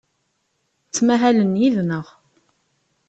Ttmahalen yid-neɣ.